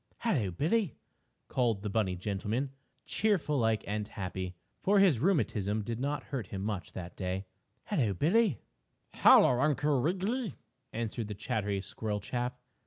"Hello, Billie!" called the bunny gentleman, cheerful like and happy, for his rheumatism did not hurt him much that day. "Hello, Billie." "Hello, Uncle Wiggily," answered the chattery squirrel chap.